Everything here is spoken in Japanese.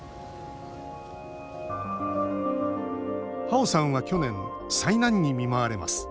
ハオさんは去年災難に見舞われます。